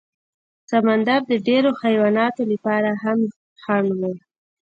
سمندر د ډېرو حیواناتو لپاره هم خنډ و.